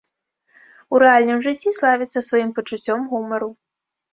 У рэальным жыцці славіцца сваім пачуццём гумару.